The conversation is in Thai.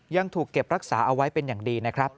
ยังถูกเก็บรักษาเอาไว้เป็นอย่างดีนะครับ